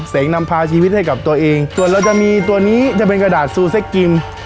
นำพาชีวิตให้กับตัวเองส่วนเราจะมีตัวนี้จะเป็นกระดาษซูเซ็กกิม